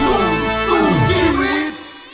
ลูกถุงสู้ชีวิต